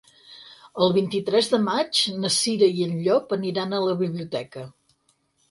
El vint-i-tres de maig na Cira i en Llop aniran a la biblioteca.